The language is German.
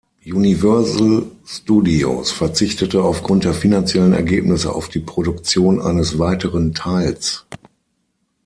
Universal Studios verzichtete aufgrund der finanziellen Ergebnisse auf die Produktion eines weiteren Teils.